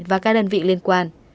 và các đơn vị liên quan